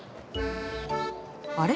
あれ？